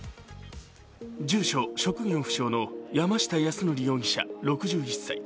住所・職業不詳の山下泰範容疑者６１歳。